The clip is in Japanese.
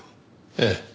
ええ。